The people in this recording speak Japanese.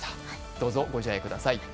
どうぞご自愛ください。